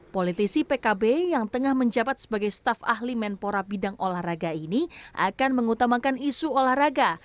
politisi pkb yang tengah menjabat sebagai staf ahli menpora bidang olahraga ini akan mengutamakan isu olahraga